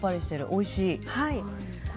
おいしい。